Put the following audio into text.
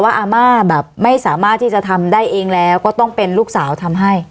อาม่าแบบไม่สามารถที่จะทำได้เองแล้วก็ต้องเป็นลูกสาวทำให้